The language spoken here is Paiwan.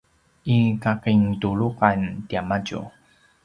i kakintuluqan tiamadju